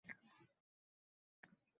Qaror talablari asosida qo‘llaniladi.